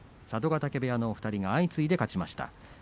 佐渡ヶ嶽部屋の２人が相次いで勝ちました。